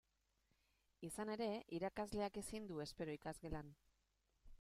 Izan ere, irakasleak ezin du espero ikasgelan.